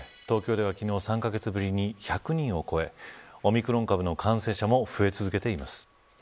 東京では昨日３カ月ぶりに１００人を超えオミクロン株の感染者も増え続けています。